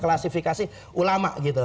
klasifikasi ulama gitu